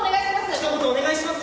ひと言お願いします！